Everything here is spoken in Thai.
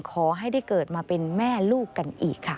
ขอให้ได้เกิดมาเป็นแม่ลูกกันอีกค่ะ